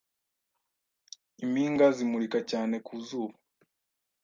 impinga zimurika cyane ku zuba.